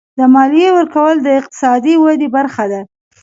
د مالیې ورکول د اقتصادي ودې برخه ده.